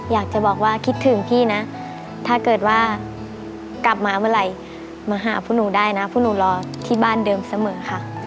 อยากจะบอกว่าคิดถึงพี่นะถ้าเกิดว่ากลับมาเมื่อไหร่มาหาพวกหนูได้นะพวกหนูรอที่บ้านเดิมเสมอค่ะ